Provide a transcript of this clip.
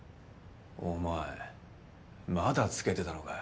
お前まだつけてたのかよ。